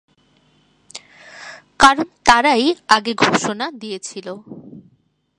কারণ তারাই আগে ঘোষণা দিয়েছিল।